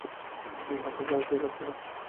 নীহার তা গ্রাহ্যই করত না।